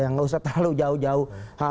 enggak usah terlalu jauh jauh